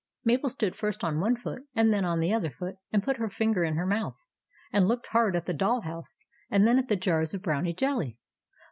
Mabel stood first on one foot, and then on the other foot, and put her finger in her mouth, and looked hard at the doll house, and then at the jars of Brownie jelly.